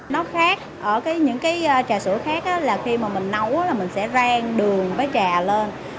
nó khác ở những cái trà sữa khác là khi mà mình nấu là mình sẽ rang đường với trà lên